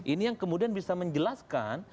ini yang kemudian bisa menjelaskan